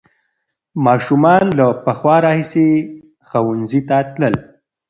ماشومان له پخوا راهیسې ښوونځي ته تلل.